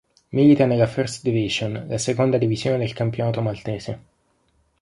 Milita nella First Division, la seconda divisione del campionato maltese.